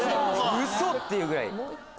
ウソ⁉っていうぐらい。